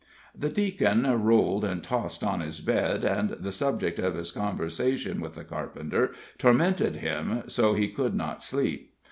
The Deacon rolled and tossed on his bed, and the subject of his conversation with the carpenter tormented him so he could not sleep.